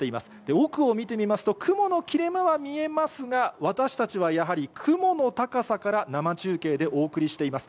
奥を見てみますと、雲の切れ間は見えますが、私たちはやはり、雲の高さから生中継でお送りしています。